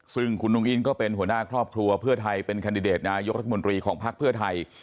ซึ่งคุณอุ้งอิ้นก็เป็นหัวหน้าครอบครัวเพื่อไทยเป็นแคนดิเดตนายกรัฐมนตรีของภักดิ์เพื่อไทย